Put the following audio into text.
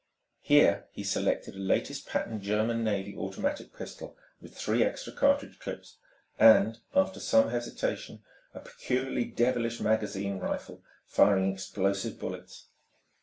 Here he selected a latest pattern German navy automatic pistol with three extra cartridge clips and, after some hesitation, a peculiarly devilish magazine rifle firing explosive bullets.